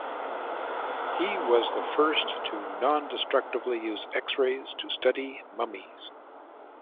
He was the first to non-destructively use x-rays to study mummies.